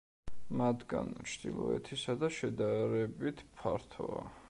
მათგან ჩრდილოეთისა შედარებით ფართოა.